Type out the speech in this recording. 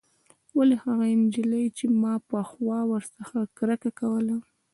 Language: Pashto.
ولې هغه نجلۍ چې ما پخوا ورڅخه کرکه کوله.